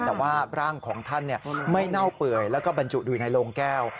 แต่ว่าร่างของท่านไม่เน่าเปื่อยแล้วก็บรรจุอยู่ในโรงแก้ว